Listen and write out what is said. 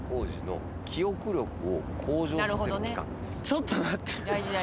ちょっと待って。